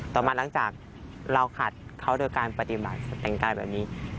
ต่อมาหลังจากเราขาดเขาโดยการปฏิบัติแต่งกายแบบนี้